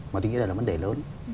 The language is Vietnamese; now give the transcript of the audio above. mà tôi nghĩ là vấn đề lớn